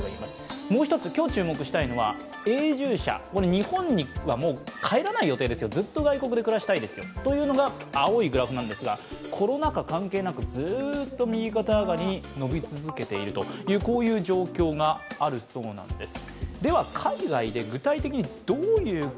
もう１つ、今日注目したいのは永住者、日本にはもう帰らない予定です、ずっと外国で暮らす予定というのが青いグラフなんですが、コロナ禍関係なくずっと右肩上がりに伸び続けているという状況があるそうです。